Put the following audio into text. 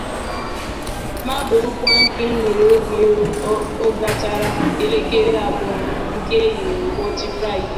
ma bụrụkwa nke mere oge ọ gachara elekere abụọ nke ehihie ụbọchị Fraịdee.